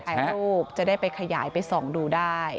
ถ่ายรูปจะได้ไปขยายไปส่องดูได้